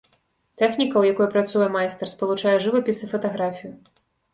Тэхніка, ў якой працуе майстар, спалучае жывапіс і фатаграфію.